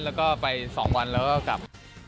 แล้วก็ไปสองวันแล้วก็ขับ